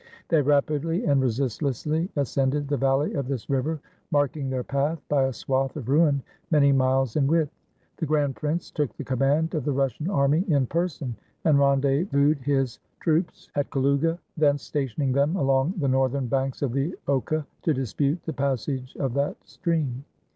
They rapidly and resistlessly ascended the valley of this river, marking their path by a swath of ruin many miles in width. The grand prince took the command of the Russian army in person, and rendezvoused his troops at Kalouga, thence stationing them along the northern banks of the Oka, to dispute the passage of that stream.